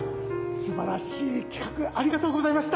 素晴らしい企画ありがとうございました！